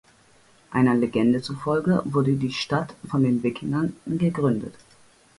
Einer Legende zufolge wurde die Stadt von den Wikingern gegründet.